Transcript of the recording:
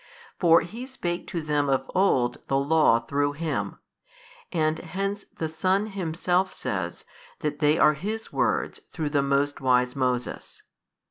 For He spake to them of old the Law through Him; and hence the Son Himself says that they are His Words through the most wise |207 Moses.